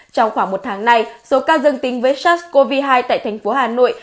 trong khoảng một tháng này số ca dân tính với sars cov hai tại thành phố hà nội